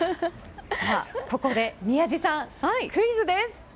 ここで宮司さん、クイズです。